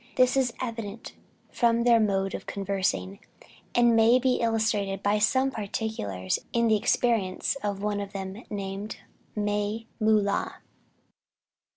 This is evident from their mode of conversing," and may be illustrated by some particulars in the experience of one of them, named May Meulah.